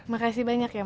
makasih banyak ya mas